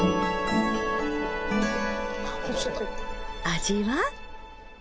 味は？